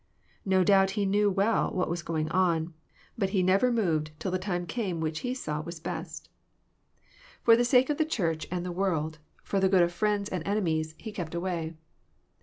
No doubt He knew well what was going on ; but He never moved till the time came which He saw was best. For JOHN, GHilP, XI. 231 tlie sake of the Charch and the world, for the good of friends and enemies. He kept away.